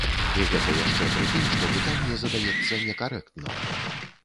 І гэта яшчэ пры тым, што пытанне задаецца некарэктна.